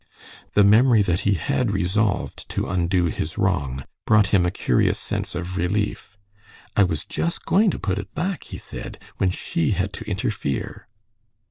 The memory that he had resolved to undo his wrong brought him a curious sense of relief. "I was just going to put it back," he said, "when she had to interfere."